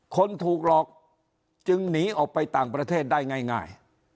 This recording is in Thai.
คนถูกหลอกจึงหนีออกไปต่างประเทศได้ง่าย